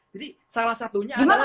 jadi salah satunya adalah